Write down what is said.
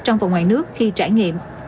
trong và ngoài nước khi trải nghiệm